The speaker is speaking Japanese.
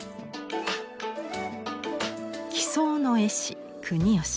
奇想の絵師国芳。